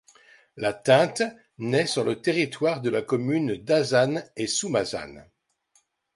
La Thinte naît sur le territoire de la commune d'Azannes-et-Soumazannes.